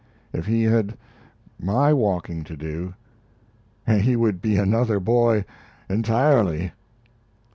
If he had my walking to do, he would be another boy entirely.